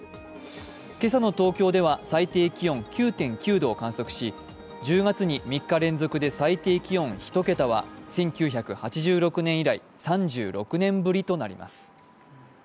今朝の東京では最低気温９．９度を観測し１０月に３日連続で最低気温１桁は１９８６年以来３６年ぶりとなります。